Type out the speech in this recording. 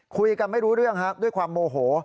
คุยกันไม่รู้เรื่องครับด้วยความโมโห